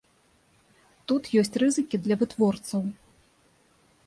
Тут ёсць рызыкі для вытворцаў.